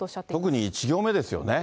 特に１行目ですよね。